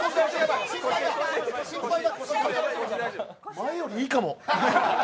前よりいいかも。